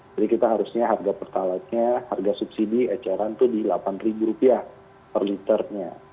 jadi kita harusnya harga pertalite nya harga subsidi eceran itu di delapan rupiah per liternya